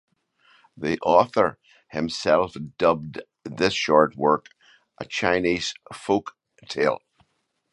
The author himself dubbed this short work "A Chinese Folk Tale".